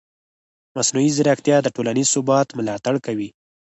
مصنوعي ځیرکتیا د ټولنیز ثبات ملاتړ کوي.